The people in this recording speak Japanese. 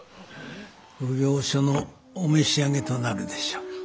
奉行所のお召し上げとなるでしょう。